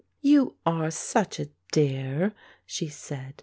"You are such a dear," she said.